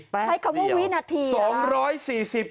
ใครเขาว่าวินาที